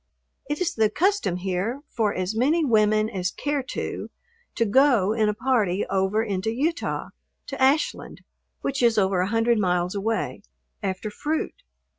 It is the custom here for as many women as care to to go in a party over into Utah to Ashland (which is over a hundred miles away) after fruit.